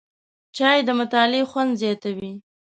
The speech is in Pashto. چای د مطالعې خوند زیاتوي